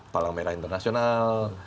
palang merah internasional